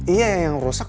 iya yang rusak